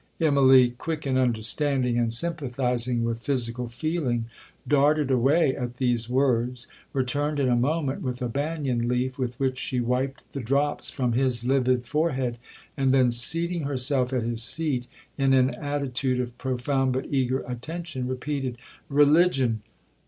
Immalee, quick in understanding and sympathising with physical feeling, darted away at these words, returned in a moment with a banyan leaf, with which she wiped the drops from his livid forehead; and then seating herself at his feet, in an attitude of profound but eager attention, repeated, 'Religion!